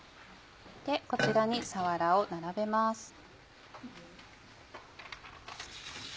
こちらにさわらを並べます。